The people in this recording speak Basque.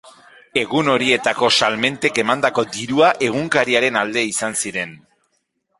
Egun horietako salmentek emandako dirua egunkariaren alde izan ziren.